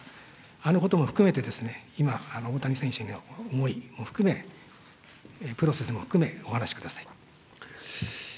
あのことを含めてですね、今、大谷選手への思いも含め、プロセスも含め、お話しください。